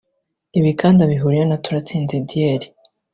Ibi kandi abihuriyeho na Turatsinze Adiel